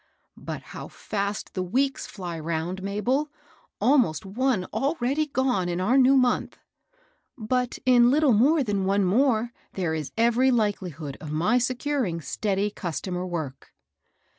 " But how fiist the weeks fly round, Mabel I — almost one already gone in our new month I "" But in litde more than one more there is every likelihood of my securing steady customer work."